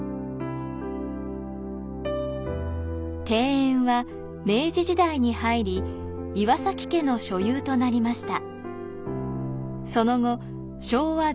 庭園は明治時代に入り、岩崎家の所有となりました。